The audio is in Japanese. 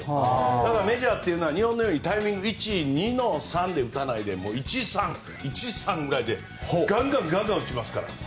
だからメジャーは日本のようにタイミング１、２の３で打たないで１、３ぐらいでガンガン打ちますから。